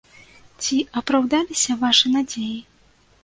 Ці апраўдаліся вашы надзеі?